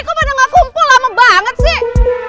kok mana gak kumpul lama banget sih